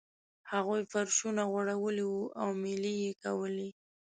هغوی فرشونه غوړولي وو او میلې یې کولې.